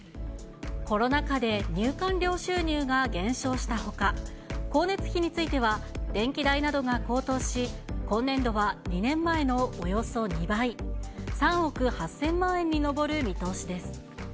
コロナ禍で入館料収入が減少したほか、光熱費については、電気代などが高騰し、今年度は２年前のおよそ２倍、３億８０００万円に上る見通しです。